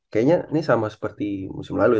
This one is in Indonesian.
kayaknya ini sama seperti musim lalu ya